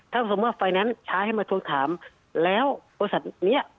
ถ้าสมมุติว่าไฟแนนซ์ช้าให้มาทวงถามแล้วบริษัทเนี้ย